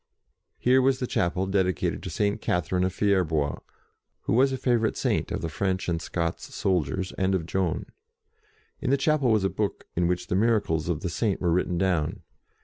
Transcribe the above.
Here was the chapel dedicated to St. Catherine of Fier bois, who was a favourite Saint of the French and Scots soldiers, and of Joan. In the chapel was a book in which the miracles of the Saint were written down.